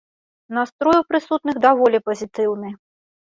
Настрой у прысутных даволі пазітыўны.